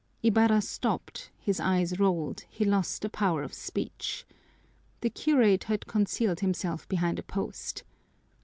Ibarra stopped, his eyes rolled, he lost the power of speech. The curate had concealed himself behind a post.